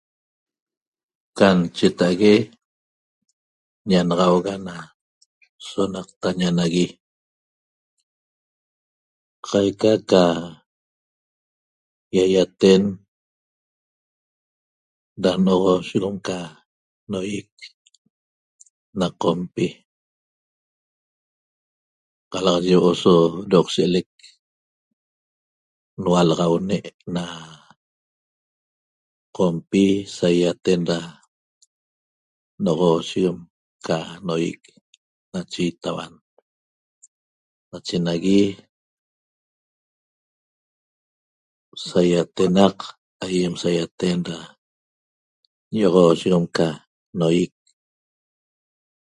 Can cheta'ague ñanaxauga na sonaqtaña nagui qaica ca ýaýaten da no'oxoosheguem ca noýic na Qompi qalaxaye huo'o so Doqshe l'ec nualaxaune' na Qompi saýaten da no'oxoosheguen ca noýic nache itauan nache nagui saýatenaq aýem saýaten da ño'oxoseguem ca noýic